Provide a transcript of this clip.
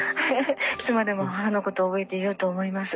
いつまでも母のことを覚えていようと思います。